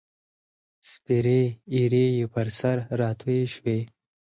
سپیرې ایرې یې پر سر راتوی شوې